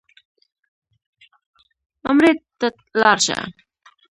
عمرې ته لاړ شه.